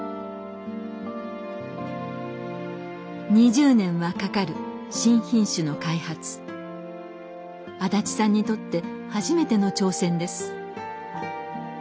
２０年はかかる新品種の開発安達さんにとって初めての挑戦です。